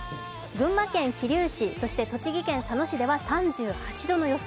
群馬県桐生市そして栃木県佐野市では３８度の予想。